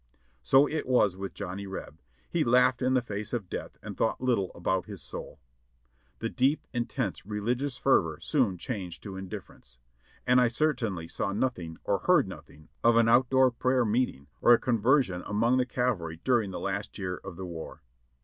So it v^ as with Johnny Reb — he laughed in the face of death and thought little about his soul. The deep, intense, religious fervor soon changed to indifference; and I certainly saw nothing and heard nothing of an out door prayer meeting or a conversion among the cavalry during the last year of the war.